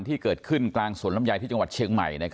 ที่เกิดขึ้นกลางสวนลำไยที่จังหวัดเชียงใหม่